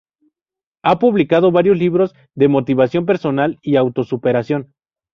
Ha publicado varios libros de motivación personal y auto superación.